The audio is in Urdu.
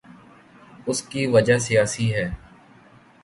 اس کی وجہ سیاسی ہے۔